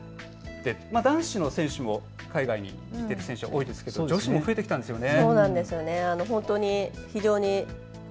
男子の選手も海外に行っている選手多いですが、女子も増えてきたんですよね。